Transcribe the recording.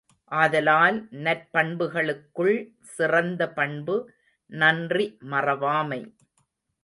ஆதலால், நற்பண்புகளுக்குள் சிறந்த பண்பு நன்றி மறவாமை.